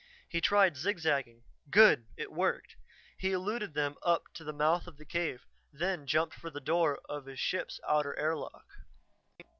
He tried zig zagging. Good! It worked. He eluded them up to the mouth of the cave, then jumped for the door of his ship's outer airlock.